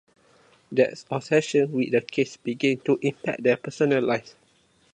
That obsession with the case begins to impact their personal lives.